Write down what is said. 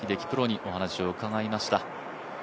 プロに話を伺いました。